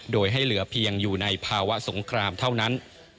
โดยให้เหลือเพียงอยู่ในภาวะสงครามเท่านั้น